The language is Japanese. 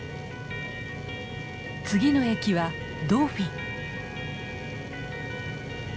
次の駅はドーフィン。